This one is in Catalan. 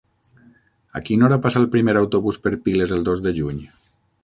A quina hora passa el primer autobús per Piles el dos de juny?